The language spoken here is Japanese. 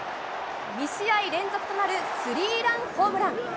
２試合連続となるスリーランホームラン。